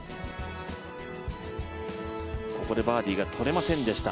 ここでバーディーがとれませんでした。